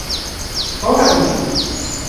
چﮩار انجیل